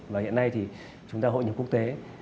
và hiện nay thì chúng ta hội nhập quốc tế